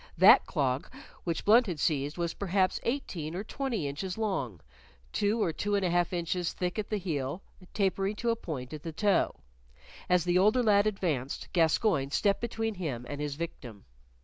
That clog which Blunt had seized was perhaps eighteen or twenty inches long, two or two and a half inches thick at the heel, tapering to a point at the toe. As the older lad advanced, Gascoyne stepped between him and his victim.